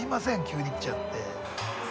急に来ちゃって。